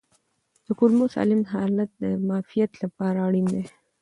د کولمو سالم حالت د معافیت لپاره اړین دی.